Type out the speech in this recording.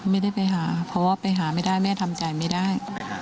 ไม่ได้ไปหาเพราะว่าไปหาไม่ได้แม่ทำใจไม่ได้